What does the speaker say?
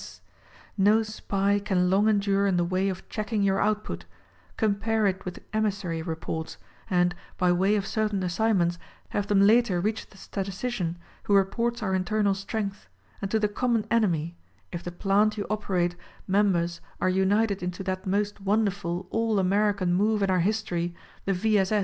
S. S. No Spy can long endure in the way of checking your output — compare it with emissary reports and, by way of certain assignments, have them later reach the statis tician who reports our internal strength — and to the common enemy — if the plant you operate members are united into that most wonderful "all American move in our history — the V. S. S."